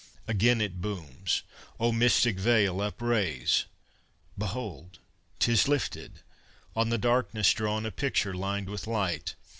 Again it booms! O Mystic Veil, upraise! Behold, 'tis lifted! On the darkness drawn, A picture lined with light!